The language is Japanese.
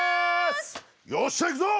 よっしゃ行くぞ！